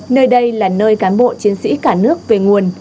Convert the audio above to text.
nơi đây là nơi cán bộ chiến sĩ cả nước về nguồn